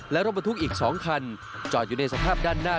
และรถบรรทุกอีก๒คันจอดอยู่ในสภาพด้านหน้า